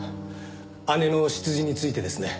姉の出自についてですね。